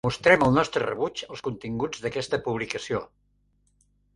Mostrem el nostre rebuig als continguts d'aquesta publicació.